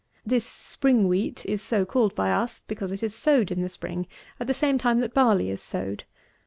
This spring wheat is so called by us, because it is sowed in the spring, at the same time that barley is sowed.